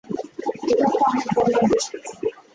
এ ঘরটা অনেক বড় আর বেশ উঁচু।